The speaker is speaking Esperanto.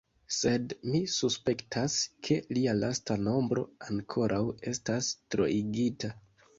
Sed mi suspektas, ke lia lasta nombro ankoraŭ estas troigita.